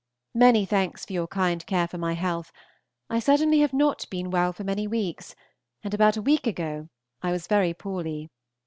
Many thanks for your kind care for my health; I certainly have not been well for many weeks, and about a week ago I was very poorly.